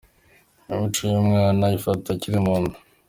Imico y’umwana ayifata akiri mu nda